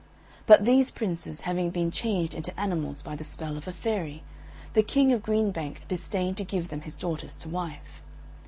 But these Princes having been changed into animals by the spell of a fairy, the King of Green Bank disdained to give them his daughters to wife.